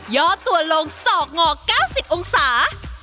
ย่อตัวลงสอกหงอก๙๐องศา